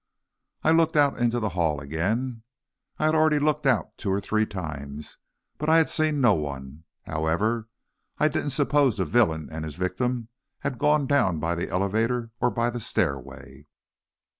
I looked out in the hall again. I had already looked out two or three times, but I had seen no one. However, I didn't suppose the villain and his victim had gone down by the elevator or by the stairway.